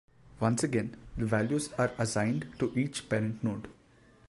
Once again, the values are assigned to each "parent node".